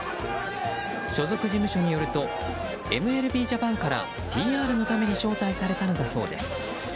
所属事務所によるとＭＬＢジャパンからＰＲのために招待されたのだそうです。